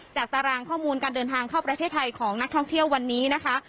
ตารางข้อมูลการเดินทางเข้าประเทศไทยของนักท่องเที่ยววันนี้นะคะ